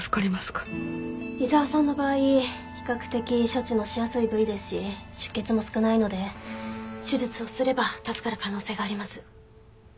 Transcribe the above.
伊沢さんの場合比較的処置のしやすい部位ですし出血も少ないので手術をすれば助かる可能性があります。